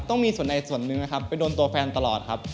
ต้องมีส่วนใดส่วนหนึ่งนะครับไปโดนตัวแฟนตลอดครับ